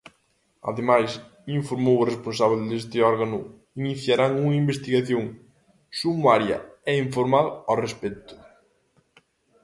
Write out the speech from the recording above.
Ademais, informou o responsábel deste órgano, iniciarán unha investigación "sumaria e informal" ao respecto.